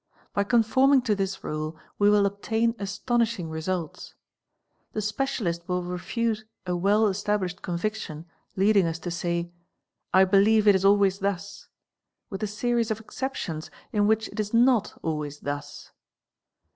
By conforming to this rule we will obtain astonishi | results. The specialist will refute a well established conviction leading GENERAL CONSIDERATIONS 151 to say "I believe it is always thus," with a series of exceptions in which it is not always thus.